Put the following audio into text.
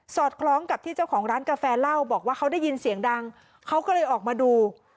คล้องกับที่เจ้าของร้านกาแฟเล่าบอกว่าเขาได้ยินเสียงดังเขาก็เลยออกมาดู